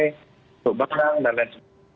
untuk barang dan lain sebagainya